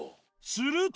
すると。